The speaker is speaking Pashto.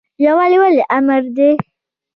یووالی ولې امر دی؟